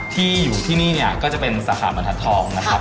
ที่อยู่ที่นี่เนี่ยก็จะเป็นสาขาบรรทัศน์ทองนะครับ